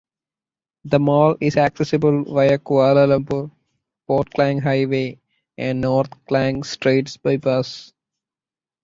The mall is accessible via Kuala Lumpur–Port Klang highway and North Klang Straits Bypass.